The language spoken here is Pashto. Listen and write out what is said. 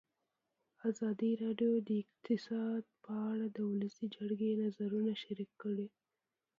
ازادي راډیو د اقتصاد په اړه د ولسي جرګې نظرونه شریک کړي.